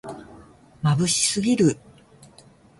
まぶしすぎる